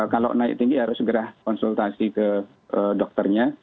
kalau naik tinggi harus segera konsultasi ke dokternya